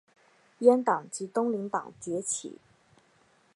阉党及东林党崛起。